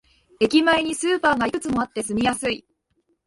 駅前にスーパーがいくつもあって住みやすい